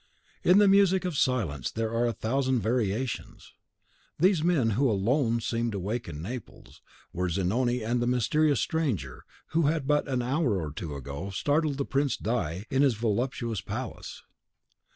In the music of silence there are a thousand variations. These men, who alone seemed awake in Naples, were Zanoni and the mysterious stranger who had but an hour or two ago startled the Prince di in his voluptuous palace.